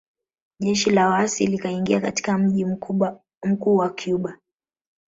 Jeshi la waasi likaingia katika mji mkuu wa Cuba